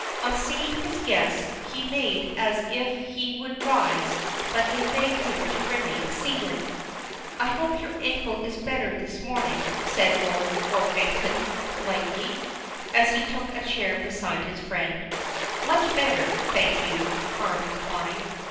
On seeing his guests, he made as if he would rise, but they begged him to remain seated. "I hope your ankle is better this morning," said Lord Orpington politely, as he took a chair beside his friend. "Much better, thank you," Carne replied.